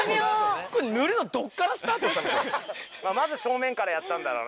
まず正面からやったんだろうな。